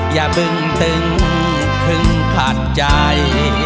อย่าบึงตึงขึ้นผัดใจ